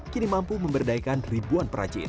kini mampu memberdayakan ribuan perajin